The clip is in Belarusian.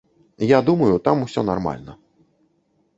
Я думаю, там усё нармальна.